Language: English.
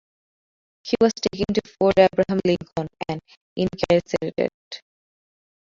He was taken to Fort Abraham Lincoln and incarcerated.